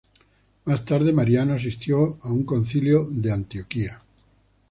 Más tarde, Mariano asistió a un Concilio de Antioquía.